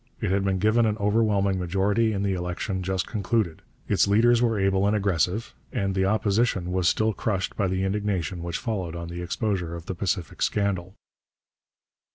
It had been given an overwhelming majority in the election just concluded; its leaders were able and aggressive; and the Opposition was still crushed by the indignation which followed on the exposure of the Pacific Scandal.